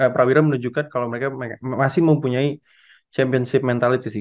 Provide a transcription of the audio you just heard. prawira menunjukkan kalau mereka masih mempunyai championship mentality sih